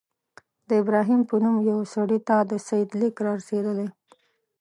د ابراهیم په نوم یوه سړي ته د سید لیک را رسېدلی.